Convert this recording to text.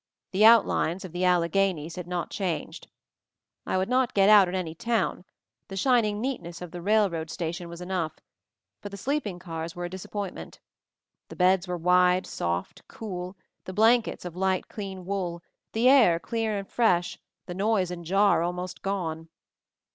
The outlines of the Alleghanies had not changed. I. would not get out at any town, the shining neatness of the railroad 276 MOVING THE MOUNTAIN station was enough; but the sleeping cars were a disappointment. The beds were wide, soft, cool, the blankets of light clean wool, the air clear and fresh, the noise and jar almost gone.